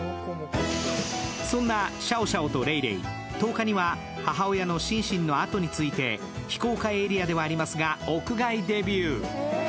そんなシャオシャオとレイレイ、１０日には母親のシンシンのあとについて非公開エリアではありますが、屋外デビュー。